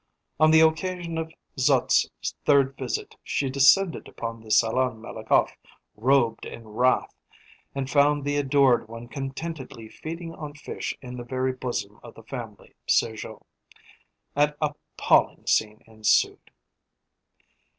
On the occasion of Zut's third visit, she descended upon the Salon Malakoff, robed in wrath, and found the adored one contentedly feeding on fish in the very bosom of the family Sergeot. An appalling scene ensued.